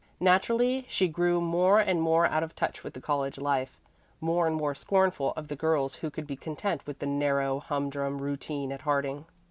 Naturally she grew more and more out of touch with the college life, more and more scornful of the girls who could be content with the narrow, humdrum routine at Harding.